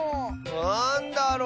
なんだろ？